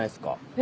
え？